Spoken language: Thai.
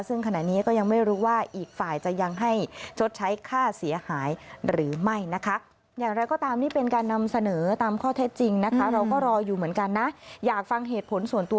ซึ่งขณะนี้ก็ยังไม่รู้ว่าอีกฝ่ายจะยังให้ชดใช้ค่าเสียหายหรือไม่นะคะ